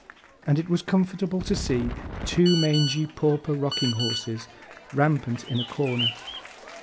And it was comfortable to see two mangy pauper rocking horses rampant in a corner.